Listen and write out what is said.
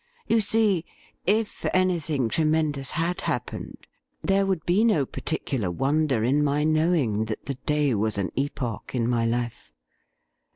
You see, if anything tremendous had happened, there would be no particular wonder in my knowing that the day was an epoch in ray life.